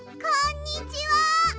こんにちは！